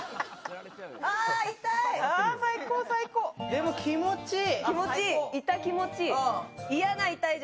でも気持ちいい。